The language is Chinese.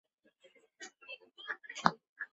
又任命太常博士皮日休为翰林学士。